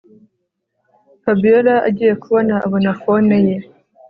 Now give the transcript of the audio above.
Fabiora agiye kubona abona phone ye